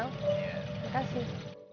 jangan kasih emang